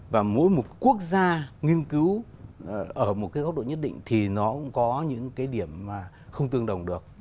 và mỗi một quốc gia nghiên cứu ở một cái góc độ nhất định thì nó cũng có những cái điểm mà không tương đồng được